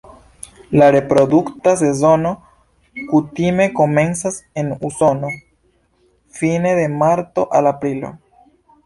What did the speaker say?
La reprodukta sezono kutime komencas en Usono fine de marto al aprilo.